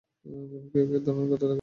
যেমন কেউ কেউ ধারণা করে থাকেন।